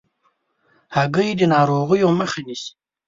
هګۍ د ناروغیو مخه نیسي.